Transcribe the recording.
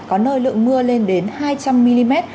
có nơi lượng mưa lên đến hai trăm linh mm